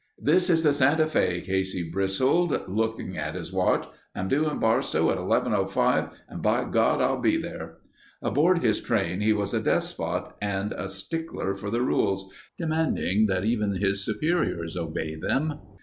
"This is the Santa Fe," Casey bristled, looking at his watch. "I'm due in Barstow at 11:05 and bigod I'll be there." Aboard his train he was a despot and a stickler for the rules, demanding that even his superiors obey them.